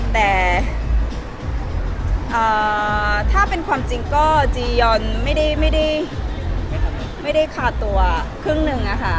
แต่ถ้าเป็นความจริงก็จียอนไม่ได้คาตัวครึ่งหนึ่งอะค่ะ